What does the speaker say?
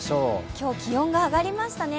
今日、気温が上がりましたね。